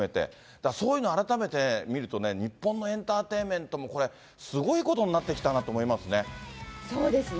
だからそういうの改めて見るとね、日本のエンターテイメントもこれ、すごいことになってきたなと思いそうですね。